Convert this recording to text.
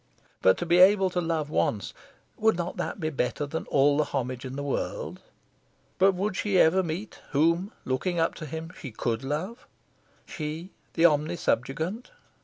To be able to love once would not that be better than all the homage in the world? But would she ever meet whom, looking up to him, she could love she, the omnisubjugant?